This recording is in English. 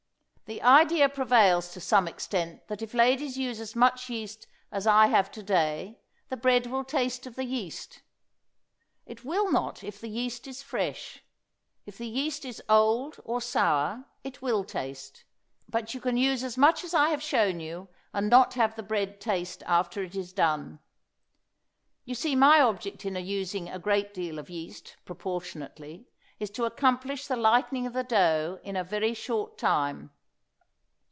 The idea prevails to some extent that if ladies use as much yeast as I have to day the bread will taste of the yeast. It will not if the yeast is fresh. If the yeast is old or sour it will taste. But you can use as much as I have shown you and not have the bread taste after it is done. You see my object in using a great deal of yeast, proportionately, is to accomplish the lightening of the dough in a very short time.